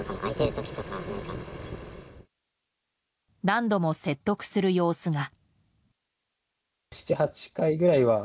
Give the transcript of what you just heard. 何度も説得する様子が。